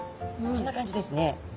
こんな感じですね。